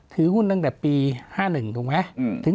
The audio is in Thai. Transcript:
ถือหุ้นตั้งแต่ปี๕๑ถูกไหม